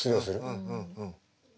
うんうんうんうん。